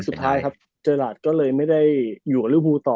สุดท้ายเจอหลาดไม่ได้อยู่รุ่นพูดต่อ